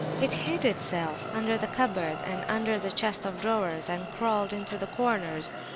"It hid itself under the cupboard and under the chest of drawers, and crawled into the corners.